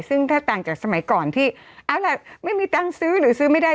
ซึ่งถ้าต่างจากสมัยก่อนที่เอาล่ะไม่มีตังค์ซื้อหรือซื้อไม่ได้